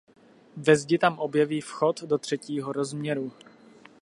Ve zdi tam objeví vchod do třetího rozměru.